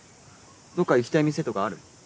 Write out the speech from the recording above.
どっか行きたい店とかある？